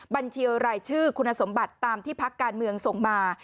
บัญชีรายชื่อคุณสมบัติตามที่พักการเมืองส่งมา